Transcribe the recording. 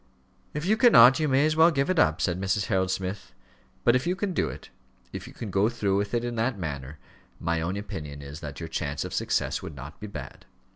"If you cannot, you may as well give it up," said Mrs. Harold Smith. "But if you can do it if you can go through with it in that manner my own opinion is that your chance of success would not be bad.